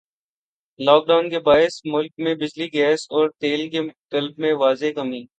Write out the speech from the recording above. lock Dawn کے باعث ملک میں بجلی گیس اور تیل کی طلب میں واضح کمی